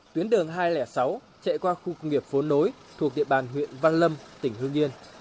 tuyến đường hai trăm linh sáu chạy qua khu công nghiệp phố nối thuộc địa bàn huyện văn lâm tỉnh hương yên